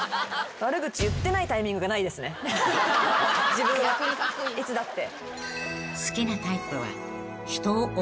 自分はいつだって。